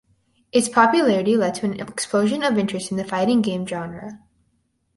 Its popularity led to an explosion of interest in the fighting game genre.